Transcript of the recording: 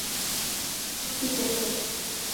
কি চাই তোর?